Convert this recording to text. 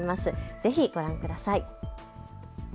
ぜひご覧ください。